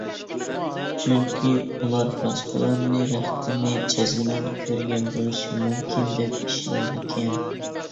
چۈنكى ئۇلار باشقىلارنى رەختنى جەزمەن كۆرگەن بولۇشى مۇمكىن دەپ ئىشىنىدىكەن.